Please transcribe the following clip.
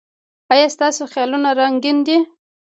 ایا ستاسو خیالونه رنګین دي؟